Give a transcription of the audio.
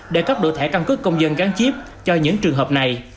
để cấp đổ thẻ căn cứ công dân gắn chiếp cho những trường hợp này